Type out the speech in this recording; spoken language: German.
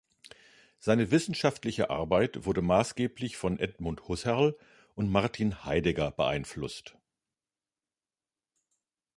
Seine wissenschaftliche Arbeit wurde maßgeblich von Edmund Husserl und Martin Heidegger beeinflusst.